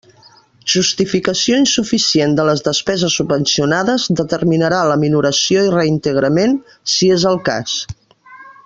Justificació insuficient de les despeses subvencionades determinarà la minoració i reintegrament, si és el cas.